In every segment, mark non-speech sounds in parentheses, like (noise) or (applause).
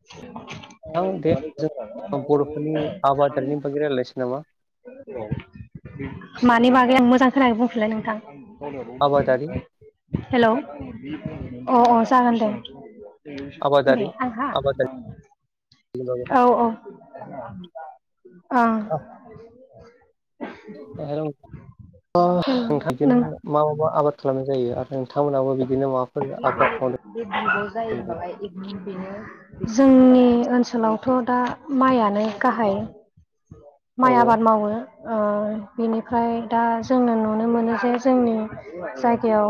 (inaudible) नोंथां बे जों बर'फोरनि आबादारिनि बागै रायज्लायनिसै नामा? मानि बागै आं मोजां खोनायाखै बुंफिनलाय नोंथां। आबादारि हेलौ अ अ जागोन दे। दे आबादारि आंहा। (unintelligible) औ औ औ ओ हेलौ। ओ नोंथां नों बिदिनो मा मा आबाद खालामनाय जायो। आरो नोंथांमोनहाबो बिदिनो माबाफोर आबाद मावदों बे बिब' जायोनालाय (unintelligible) बेनो। जोंनि ओनसोलावथ' दा माइआनो गाहाय औ माइ आबाद मावो ओ बिनिफ्राय दा जोंनो नुनो मोनो जे जोंनि जायगायाव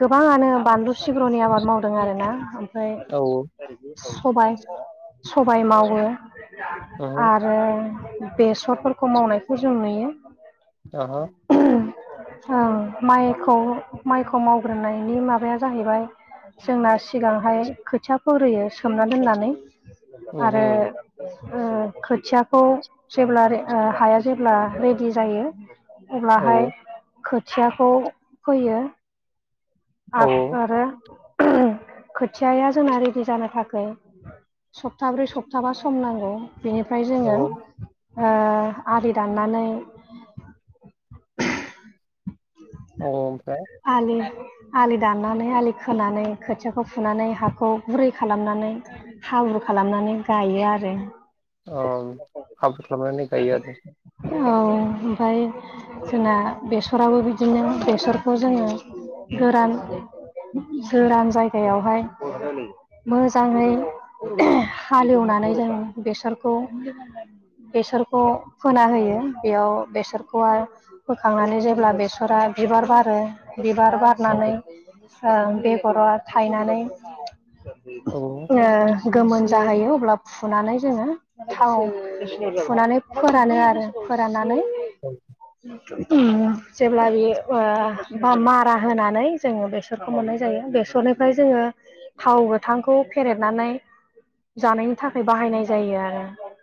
गोबाङानो बानलु सिब्र'नि आबाद मावदों आरोना ओमफ्राय औ औ सबाय सबाय मावो ओहो आरो ओ बेसरफोरखौ मावनायखौ जों नुयो ओहो ओ माइखौ माइखौ मावग्रोनायनि माबाया जाहैबाय जोंना सिगांहाय खोथिया फोग्रोयो सोमना दोननानै आरो ओहो ओ खोथियाखौ जेब्ला ओ हाया जेब्ला रेडि जायो औ अब्लाहाय खोथियाखौ फोयो। औ आससारो खोथियाया जोंना रेडि जानो थाखाय। सप्ताब्रै सप्ताबा सम नांगौ। बेनिफ्राय जोङो ओ आलि दाननानै। अ ओमफ्राय। आलि। आलि दाननानै आलि खोनानै खोथियाखौ फुनानै हाखौ गुरै खालामनानै। हाब्रु खालामनानै गायो आरो। औ हाब्रु खालामनानै गायो आरो। औ ओमफ्राय जोंना बेसराबो बिदिनो बेसर। खौ जोङो गोरान गोरान जायगायावहाय। मोजाङै हालेवनानै जों बेसरखौ। बेसरखौ फोना होयो बेयाव बेसरखौ। फोखांनानै जेब्ला बेसरा बिबार बारो। ओं बिबार बारनानै औ ओं बेगराव थायनानै। औ ओ गोमोन जाहैयो अब्ला फुनानै जोङो। थाव सुनानै फोरानो आरो फोराननानै। उम जेब्ला बेयो। बा मारा होनानै जोङो बेसरखौ मोननाय जायो बेसरनिफ्राय जोङो। थाव गोथांखौ फेरेदनानै। जानायनि थाखाय बाहायनाय जायो आरो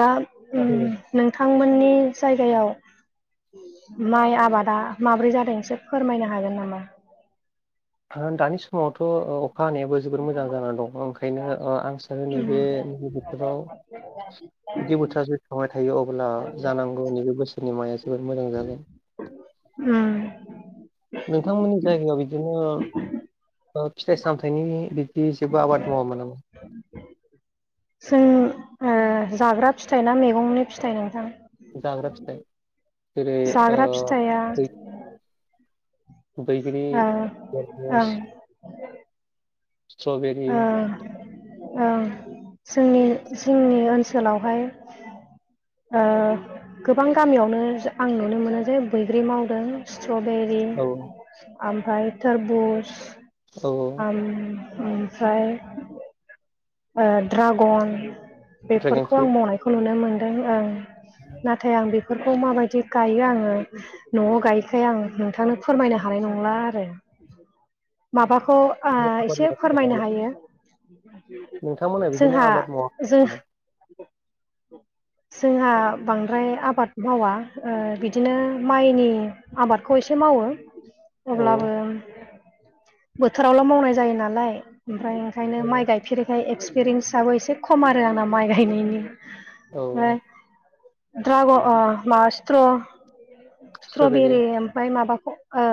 दा उम। औ नोंथांमोननि जायगायाव माइ आबादा। माब्रै जादों एसे फोरमायनो हागोन नामा। हा दानि समावथ' अ अखा हानायाबो जोबोर मोजां जानानै दं। बेखायनो ओ आं सानो उम नैबे नैे बोथोराव गदि बोथोरास। थांबाय थायो अब्ला जानांगौ नैबे बोसोरनि माइआ जोबोद मोजां जागोन। उम। नोंथांमोननि जायगायाव बिदिनो ओ फिथाइ सामथायाइनि। जे आबाद मावा मानो सो ओ जाग्रा फिथाइ ना मैगंनि फिथाइ नोंथां। जाग्रा फिथाइ जेरै ओ। जाग्रा फिथाइया बैग्रि ओं ओं (unintelligible) स्ट्रबेरि। ओं ओं जोंनि जोंनि ओनसोलावहाय। ओ गोबां गामियावनो नुनो मोनो जे बैग्रि मावदों। स्ट्रबेरि औ ओमफाय थोरबुज। औ औ। उम ओमफ्राय ओ ड्रागन। ड्रागन बेफोरखौ आं फ्रुइट मावनायखौ नुनो मोनदों ओं। नाथाय आं बेफोरखौ माबायदि गायो आङो न'आव गायिखाय आं नोंथांनो फोरमायनो हानाय नंला आरो। माबाखौ ओ एसे फोरमायनो (unintelligible) हायो (unintelligible) नोंथांमोना बिदिनि जोंहा आबाद मावाखै जों आरो ना? जोंहा बांद्राय आबाद मावा। ओ बिदिनो माइनि आबादखौ एसे मावो। औ अब्लाबो बोथोरावल' जायो नालाय। ओमफ्राय ओंखायनो माइ औ गाय फेरैखाय एक्सपिरियेन्साबो एसे खम आरो आंना माइ गायनायनि फाय। औ ड्राग' अ मा स्ट्र' स्ट्रबेरि स्ट्'बेरि ओमफ्राय माबाखौ औ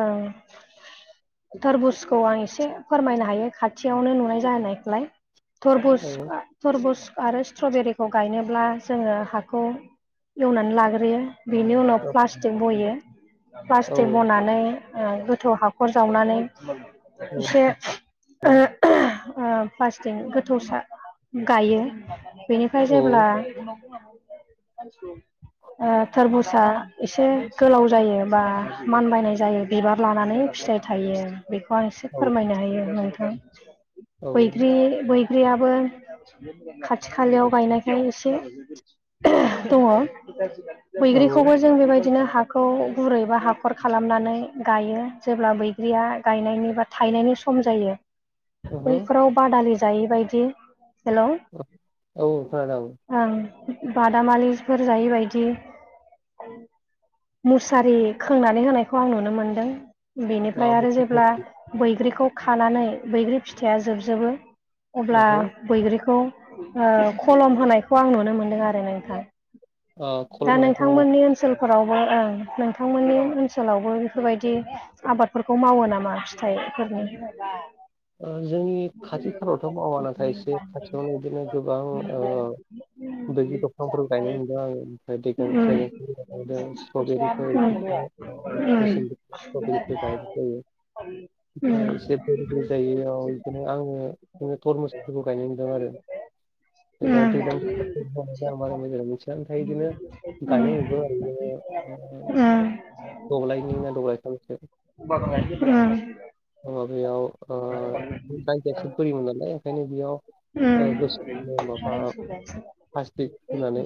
थरबुस खौ आं एसे फोरमायनो हायो खाथियावनो नुनाय जानायखौलाय थरबुज औ आ थरबुज आरो स्ट्रबेरिखौ गायनोब्ला जोङो हाखौ एवनानै लाग्रोयो। बिनि उनाव औ प्लास्टिक बयो औ प्लास्टिक बनानै ओ गोथौ हाखर जावनानै एसे ओ प्लासटिकनि गोथौसा गायो। बेनिफ्राय औ जेब्ला (unintelligible) (inaudible) ओ थोरबुजा एसे गोलाव जायो बा मानबायनाय जायो बिबार लानानै फिथाइ थायो बेखौ आं एसे औ फोरमायनो हायो नोंथां। औ बैग्रि बै ग्रियाबो खाथि खालायाव गायनायखाय एसे दङ। औ बैग्रिखौबो जों बेबायदिनो हा खौ गुरै बा हाखर खालामनानै गायो। जेब्ला बैग्रिया गायनायनि बा थायनायनि सम जायो ओहो बैफोराव बादालि जायि बायदि हेल'! औ खोनादां। ओं बादामालिफोर जायै बायदि मुसारि खोंनानै होनायखौ आं नुनो मोनदों। बेनिफ्राय ओ, आरो मुख्य जेब्ला खामानि बैग्रिखौ खानानै बैग्रि फिथाइया जोबजोबो अब्ला ओहो बैग्रिखौ ओ खलम होनायखौ आं नुनो मोनदों आरो नोंथां। ओ खल दा होनायखौ नुनो नोंथांमोननि ओनसोलफोरावबो ओ नोंथांमोननि ओनसोलावबो बेफोरबायदि आबादफोरखौ मावो ना मा फिथायफोरनि जेन'बा ओ जोंनि खाथि फोरावथ' मावा नाथाय एसे खाथियावनो बिदिनो गोबां ओ बैग्रि दंफांफोर गायनाय नुदों आं ओमफ्राय उम ड्रेगेन गायदों उम स्ट्रबेरिफोर बिदिनो (unintelligible) औ बिदिनो आङो बिदिनो थरमुसफोरखौ गायनाय नुदों आरो। फाय उम दा दैलां बोथोर (inaudible) आं बारा मोजां मोनथिया ओमफाय बिदिनो उम गायनाय नुदों ओरो बिदिनो। उम उम ओ दब्लायनैना दब्लाय थामसो। माबायाव (unintelligible) ओ जायगासो बोरिमोन नालाय ओंखायनो बेयाव ओ गोसो माबा प्लास्टिक होनानै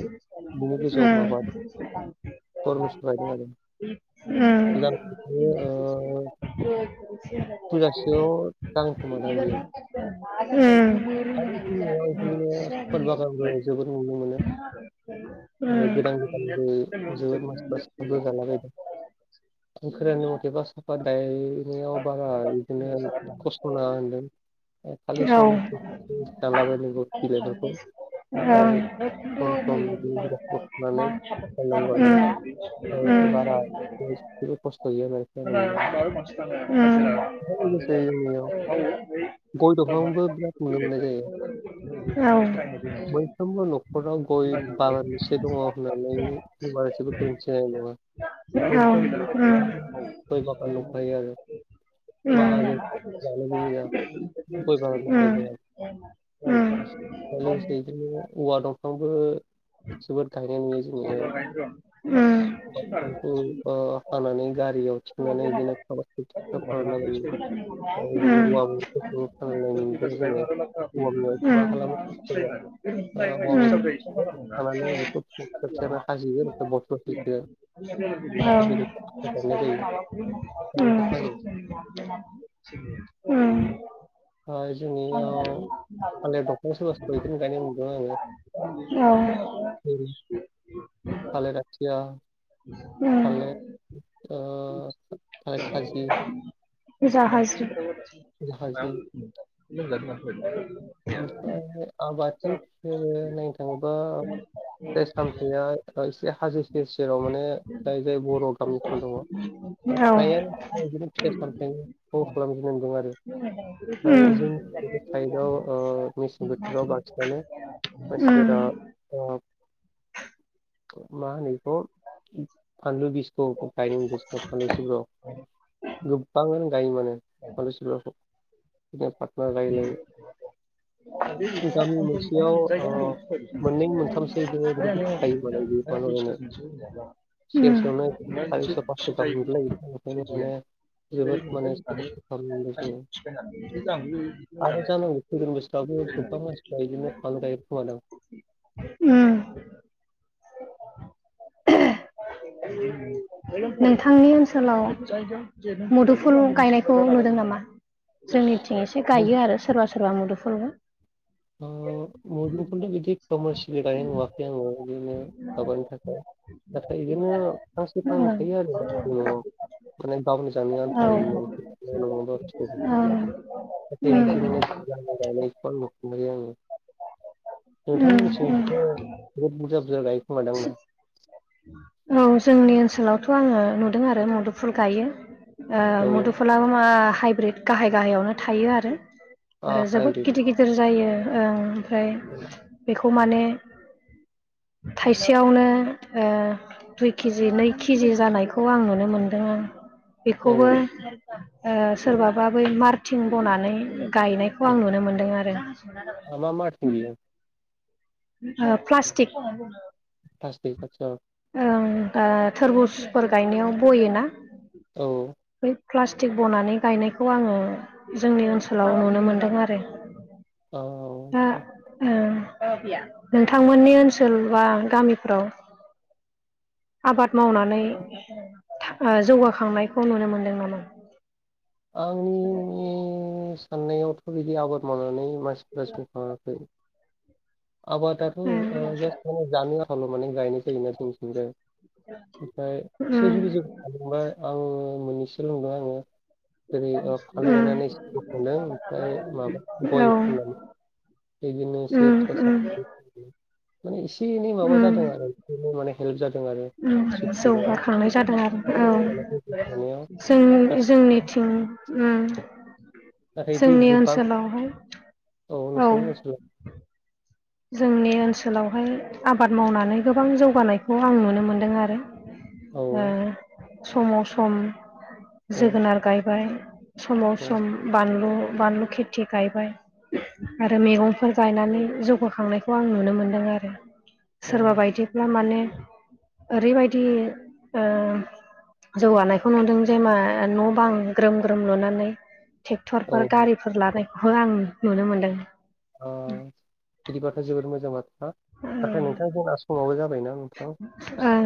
बिनि गोजौआव माबादों थरमुस गायदों आरो (unintelligible) फुजासोआव जागोन खोमादां बियो (unintelligible) ओम (unintelligible) बागानबो जोबोद नुनो मोनो आरो गोदान गोदानबो जोबोद (unintelligible) आं खोनानाय मथेबा साफाद गाय नायाव बारा बिदिनो खस्थ' नाङा होनदों खालि (unintelligible) खालाबायनांगौ बिलाइफोरखौ ओमफ्राय सम सम बिदिनो जिगाबफोरखौ फुनानै (unintelligible) गारनांगौ आरो ओमफ्राय बारा उम (unintelligible) आरो लोगोसे जोंनियाव (unintelligible) गय दंफांआवबो बिराद नुनो मोननाय जायो। मोनफ्रोमबो न'खराव गय बागानसे दङ होननानै (unintelligible) गय बागान दंखायो आरो माहाजोनथार जानो गैया गय बागान दं। (unintelligible) औवा दंफांबो जोबोद गायनाय नुयो जे (unintelligible) खानानै गारियाव थिखोनाय इदिनो खाबाय (unintelligible) (unintelligible) (unintelligible) जाहाथे बेनिफ्राय आथा बानायनाय (unintelligible) जायो ओमफ्राय बेखौ फानसिगोन (unintelligible) ओम आमफाय जोंनियाव थालेर दंफां सोरबा सोरबा इदिनो गायनाय नुदों आङो औ उम थालेर आथिया (inaudible) थालेर ओ थालेर खाजि जाहाजि (unintelligible) ओमफ्राय आबादनि जोङो नायनो थाङोबा फिथाइ सामथाया ओ एसे हाजो सेर सेराव माने जाय जाय बर' गामिफोर दङ औ (unintelligible) फ्राय उम जोंनि जिथु साइदआव ओ मेसें बोथोराव बांसिनानो उम मानसिफोरा ओ ओ मा होनो बेखौ फानलु बिस (unintelligible) फानलु सिब्र गोबांआनो गायो माने। फानलु सिब्रखौ बिदिनो (unintelligible) लायै लायै गामि मोनसेयाव ओ, मोननै (unintelligible) मोनथामसो बिदिनो ग्रुप थाखायो माने बे फानलु गायनाय (unintelligible) (unintelligible) (unintelligible) (unintelligible) सेकेन्ड लिसटाव दोङो गोबां मानसिफोरा इदिनो बांद्राय खोमा दां उम (unintelligible) नोंथांनि ओनसोलाव मुदुफुल गायनायखौ नुदों नामा? जोंनिथिं एसे गायो आरो सोरबा सोरबा मुदुफुलबो ओ मुदुफुलनि बिदि दमासिनि गायनाय नुवाखै आङो इदिनो माबानि थाखाय नाथाय इदिनो फांसे औ फांनै थायो आरो माखासे न'आव ओंखारनाय गावनि जानो आन्था ओं इदिनो न'आवनो (unintelligible) उम नाथाय बिदि माने उम गायनायखौ नु नुयो आरो (unintelligible) नोंथांमोननिथिं उम इदिनो बहुथ बुरजा बुरजा गायो खोमादांं ना? औ जोंनि ओनसोलावथ' आङो नुदों आरो मुदुफुल गायो। ओ औ मुदुफुलाबो मा हाइब्रिद गाहाय गाहायावनो थायो आरो आ आरो जोबोद हाइब्रिद गिदिर गिदिर जायो ओं ओमफ्राय बेखौ माने थाइसेयावनो ओ दुइ केजि नै केजि जानायखौ आं नुनो मोनदों ओ औ बेखौबो ओ सोरबाबा बै मारथिं बनानै गायनायखौ आं नुनो मोनदों आरो मा मा मारथिं बियो ओ प्लास्टिक प्लासटिक आदसा औ ओ थोरबुसफोर गायनायाव बयो ना? औ बै प्लास्टिक बनानै गायनायखौ आङो जोंनि ओनसोलाव नुनो मोनदों आरो औ दा ओ (unintelligible) नोंथांमोननि ओनसोल बा गामिफ्राव आबाद मावनानै था ओ जौगाखांनायखौ नुनो मोनदों नामा? आंनि साननायावथ' बिदि आबाद मावनानै मानसिफ्रा जिउ खाङाखै आबादाथ' ओ उम ओ जास्ट माने जानो आनथाल' माने गायनाय जायोना जोंनिथिंजाय ओमफ्राय से उम जुरिजेन खांबाय आङो मोननैसो लबा आङो जेरै ओ फानलु उम गायनानै सिबिन फोदों ओमफ्राय माबा औ गय फाननानै बिदिनो एसे उम फिथाइ साम उम माने एसे एनै माबा उम जादों आरो बिदिनो माने हेल्प जादों आरो जिउ उम खुंनायाव जौगाखांनाय जादों आरो औ थांनानै थानायाव जों जोंनिथिं उम दा ऐदि जोंनि गोबां ओनसोलावहाय औ नोंसोरनि ओनसोलाव जोंनि ओनसोलावहाय आबाद मावनानै गोबां जौगानायखौ आं नुनो मोन्दों आरो औ दा समाव सम औ जोगोनार गायबाय। समाव औ सम बानलु बानलु खेथि गायबाय आरो मैगंफोर गायनानै जौ बोखांनायखौ आं नुनो मोनदों आरो सोरबा औ बायदिब्ला माने ओरैबायदि ओम जौगानायखौ नुदों जे मा न' बां ग्रोम ग्रोम लुनानै औ थेख्थरफोर गारिफोर लानायखौ आं नुनो मोन्दों। ओ बिदि बाथ' जोबोर‌ मोजां बाथ्रा नाथाय ओं नोंथां जोंना समाबो जाबायना नोंथां ओं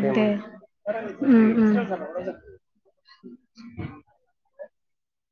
दे होमबा नों। उम उम